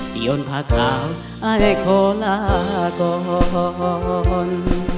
ย้นภาขาวไอ้โคลาก่อน